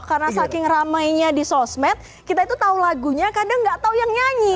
karena saking ramainya di sosmed kita itu tau lagunya kadang gak tau yang nyanyi